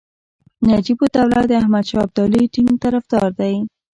نجیب الدوله د احمدشاه ابدالي ټینګ طرفدار دی.